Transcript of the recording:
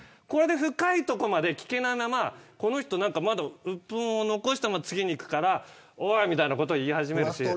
深いところまで聞けないまま鬱憤を残したまま次にいくからおい、みたいなことを言い始める。